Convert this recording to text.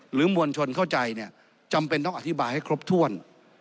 มวลชนเข้าใจเนี่ยจำเป็นต้องอธิบายให้ครบถ้วน